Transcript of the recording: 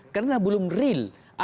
karena belum real